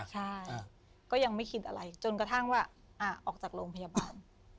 ใช่ก็ยังไม่คิดอะไรจนกระทั่งว่าออกจากโรงพยาบาล